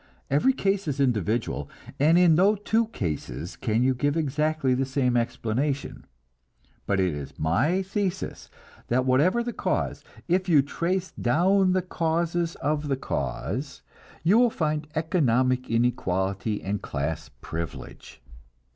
Every case is individual, and in no two cases can you give exactly the same explanation. But it is my thesis that whatever the cause, if you trace down the causes of the cause, you will find economic inequality and class privilege.